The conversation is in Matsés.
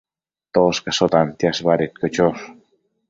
Toshcasho tantiash badedquio chosh